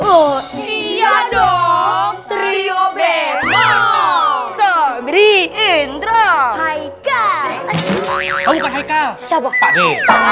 oh iya dong trio b roll sendiri indra hai kau kau kecekaan sama pake